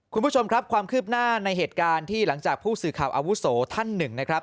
คุณผู้ชมครับความคืบหน้าในเหตุการณ์ที่หลังจากผู้สื่อข่าวอาวุโสท่านหนึ่งนะครับ